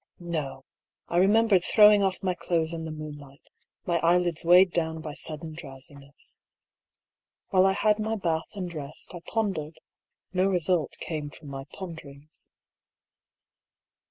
No! I remembered throwing off my clothes in the moonlight, my eyelids weighed down by sudden drowsiness. While I had my bath and dressed I pondered. No result came from my ponderings.